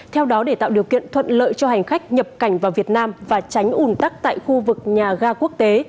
theo đó để tạo điều kiện thuận lợi cho hành khách nhập cảnh vào việt nam và tránh ủn tắc tại khu vực nhà ga quốc tế